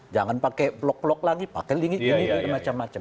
jangan pakai blok blok lagi pakai ini ini ini dan macam macam